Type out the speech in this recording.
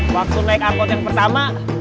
waktu naik angkot yang pertama